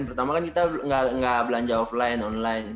pertama kan kita nggak belanja offline online